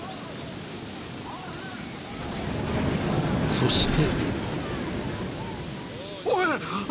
［そして］